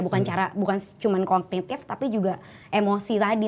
bukan cuman kognitif tapi juga emosi tadi